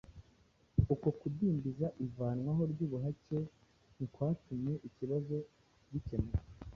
uko kudindiza ivanwaho ry'ubuhake ntikwatumye ikibazo gikemuka,